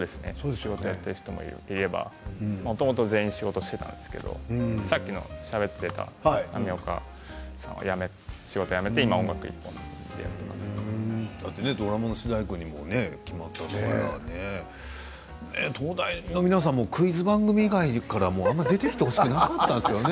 仕事やってる人もいればもともと全員仕事をしていたんですけどさっきしゃべってくれた浪岡は仕事を辞めてだってドラマの主題歌にも決まって東大の皆さんもクイズ番組以外からも今あまり出てきてほしくなかったんですよね。